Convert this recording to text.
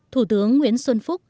thủ tướng nguyễn xuân phúc